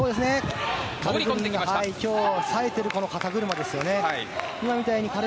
今日は冴えている肩車ですよね。